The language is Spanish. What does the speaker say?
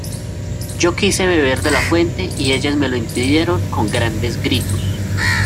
yo quise beber de la fuente, y ellas me lo impidieron con grandes gritos: